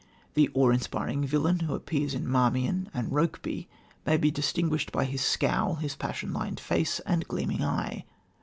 The awe inspiring villain, who appears in Marmion and Rokeby, may be distinguished by his scowl, his passion lined face and gleaming eye.